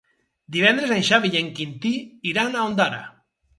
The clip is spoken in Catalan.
Divendres en Xavi i en Quintí iran a Ondara.